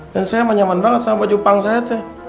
dan saya mah nyaman banget sama baju pangsaetnya